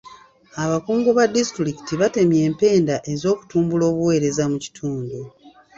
Abakungu ba disitulikiti batemye empenda ez'okutumbula obuweereza mu kitundu.